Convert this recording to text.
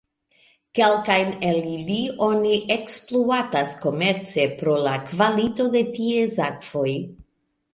Kelkajn el ili oni ekspluatas komerce pro la kvalito de ties akvoj.